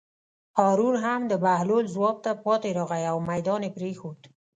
هارون هم د بهلول ځواب ته پاتې راغی او مېدان یې پرېښود.